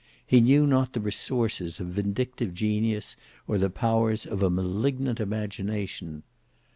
He knew not the resources of vindictive genius or the powers of a malignant imagination.